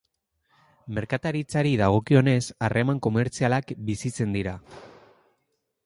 Merkataritzari dagokionez, harreman komertzialak bizitzen dira.